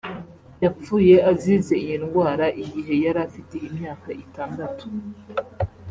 yapfuye azize iyi ndwara igihe yari afite imyaka itandatu